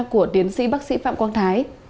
của tiến sĩ bác sĩ phạm quang thái